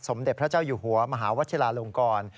เด็จพระเจ้าอยู่หัวมหาวชิลาลงกร